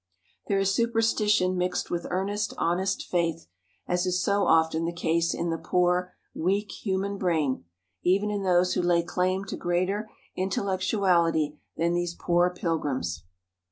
There is superstition mixed with earnest, honest faith, as is so often the case in the poor, weak human brain, even in those who lay claim to greater intellectuality than these poor pilgrims.